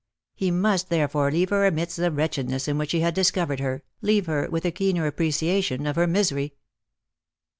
He must therefore leave her amidst the wretchedness in which he had discovered her, leave her with a keener appreciation of her misery.